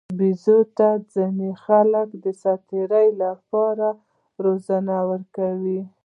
بیزو ته ځینې خلک د ساتیرۍ لپاره روزنه ورکوي.